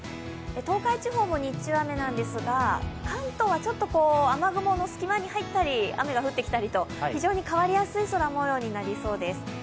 東海地方も日中は雨なんですが、関東はちょっと雨雲の隙間に入ったり雨が降ってきたりと非常に変わりやすい空もようになりそうです。